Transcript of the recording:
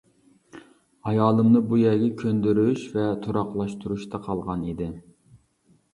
ئايالىمنى بۇ يەرگە كۆندۈرۈش ۋە تۇراقلاشتۇرۇشتا قالغان ئىدى.